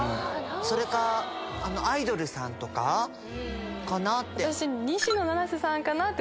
それかアイドルさんとかかなって。